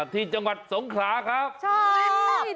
ที่จังหวัดสงขลาครับชอบ